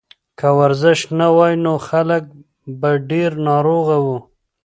که ورزش نه وای نو خلک به ډېر ناروغه وو.